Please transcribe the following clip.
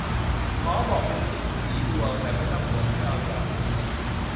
หมอบอกเป็นรีดสีดวง แต่ไม่ต้องห่วง แค่เอายาไปเหน็บ